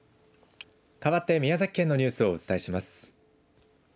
かわって宮崎県のニュースをお伝えします。